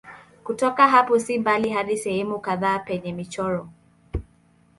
Kutoka hapo si mbali hadi sehemu kadhaa penye michoro.